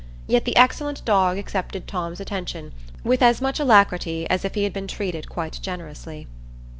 Yet the excellent dog accepted Tom's attention with as much alacrity as if he had been treated quite generously.